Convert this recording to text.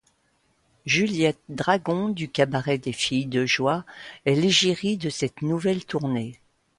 Juliette Dragon du Cabaret des filles de joie est l'égérie de cette nouvelle tournée.